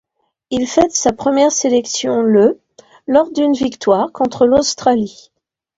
Il fête sa première sélection le lors d'une victoire contre l'Australie.